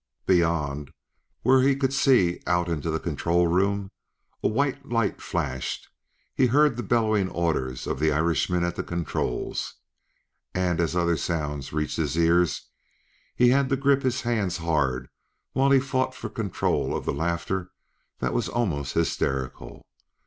Beyond, where he could see out into the control room, a white light flashed. He heard the bellowing orders of the Irishman at the controls. And, as other sounds reached his ears, he had to grip his hands hard while he fought for control of the laughter that was almost hysterical.